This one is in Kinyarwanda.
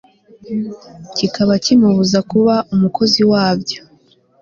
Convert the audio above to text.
kikaba kimubuza kuba umukozi wabyo